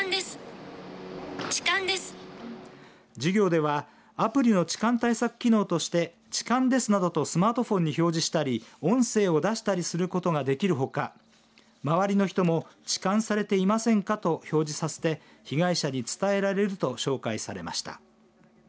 授業ではアプリの痴漢対策機能としてちかんですなどとスマートフォンに表示したり音声を出したりすることができるほか周りの人もちかんされていませんか？と表示させて被害者に伝えられると紹介されました。